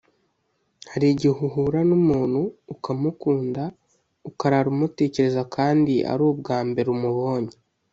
harigihe uhura numuntu ukamukunda ukarara umutekereza kandi arubwambere umubonye